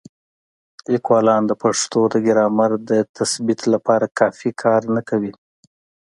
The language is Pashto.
لیکوالان د پښتو د ګرامر د تثبیت لپاره کافي کار نه کوي.